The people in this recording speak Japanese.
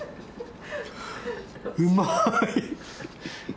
うまい！